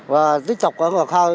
và tiếp tục ở ngoài khơi